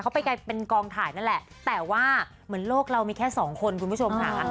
เขาไปไกลเป็นกองถ่ายนั่นแหละแต่ว่าเหมือนโลกเรามีแค่สองคนคุณผู้ชมค่ะ